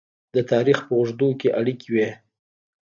د تاریخ په اوږدو کې اړیکې وې.